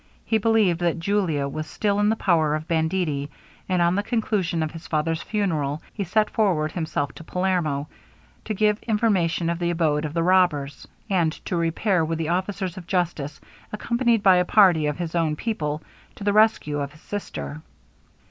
He believed that Julia was still in the power of banditti; and, on the conclusion of his father's funeral, he set forward himself to Palermo, to give information of the abode of the robbers, and to repair with the officers of justice, accompanied by a party of his own people, to the rescue of his sister.